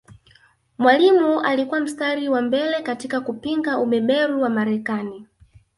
Mwalimu alikuwa mstari wa mbele katika kupinga ubeberu wa Marekani